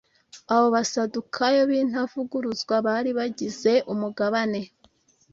abo basadukayo b'intavuguruzwa bari bagize umugabane